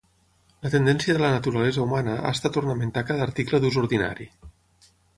La tendència de la naturalesa humana ha estat ornamentar cada article d'ús ordinari.